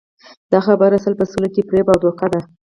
دا خبره سل په سلو کې فریب او دوکه ده